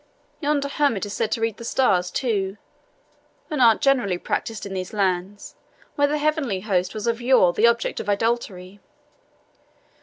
Yonder hermit is said to read the stars, too, an art generally practised in these lands, where the heavenly host was of yore the object of idolatry.